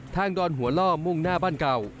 ดอนหัวล่อมุ่งหน้าบ้านเก่า